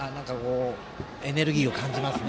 エネルギーを感じますね